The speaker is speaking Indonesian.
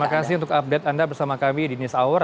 terima kasih untuk update anda bersama kami di news hour